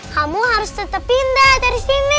kamu harus tetap pindah dari sini